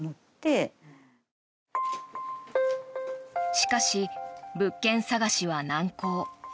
しかし物件探しは難航。